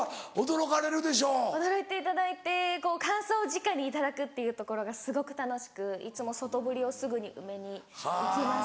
驚いていただいて感想をじかに頂くっていうところがすごく楽しくいつも外堀をすぐに埋めに行きます。